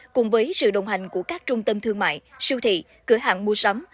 cùng với sự đồng hành của các trung tâm thương mại siêu thị cửa hàng mua sắm